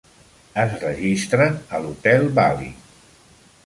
Es registren a l'hotel Bally.